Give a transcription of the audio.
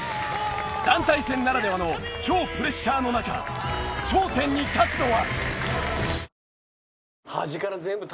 団体戦ならではの超プレッシャーの中頂点に立つのは？